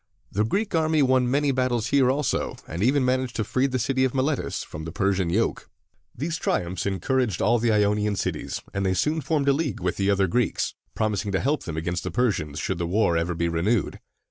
The Greek army won many battles here also, and even managed to free the city of Miletus from the Persian yoke. These triumphs encouraged all the Ionian cities, and they soon formed a league with the other Greeks, promising to help them against the Persians should the war ever be renewed.